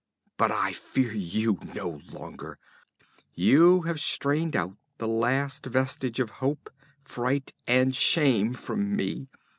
But I fear you no longer; you have strained out the last vestige of hope, fright and shame from me.